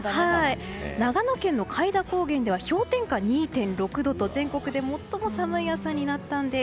長野県の開田高原では氷点下２．６度と全国で最も寒い朝になったんです。